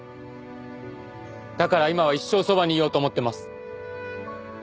だから今は一生そばにいようと思ってます。